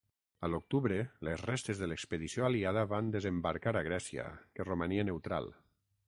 A l'octubre les restes de l'expedició aliada van desembarcar a Grècia, que romania neutral.